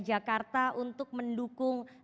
jakarta untuk mendukung